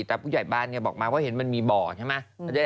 แต่ผู้ใหญ่บ้านบอกมาว่าเห็นมันมีบ่อใช่ไหม